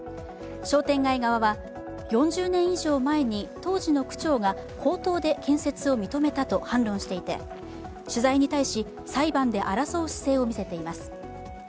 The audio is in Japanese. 商店街側は４０年以上前に当時の区長が区長が口頭で建設を認めたと反論していて取材に対し、裁判で争う姿勢を見せています。